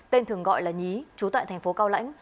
tên thường gọi là nhí chú tại thành phố cao lãnh